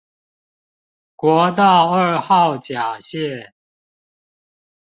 國道二號甲線